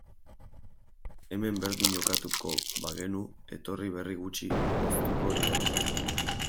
Hemen berdin jokatuko bagenu, etorri berri gutxi poztuko lirateke.